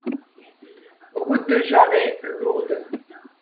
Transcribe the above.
Route de Jarret, Lourdes